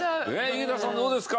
井桁さんどうですか？